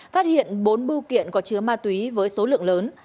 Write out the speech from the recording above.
phát hiện bốn bưu kiện có chứa ma túy với số lượng lớn